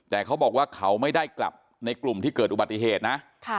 แต่เขาบอกว่าเขาไม่ได้กลับในกลุ่มที่เกิดอุบัติเหตุนะ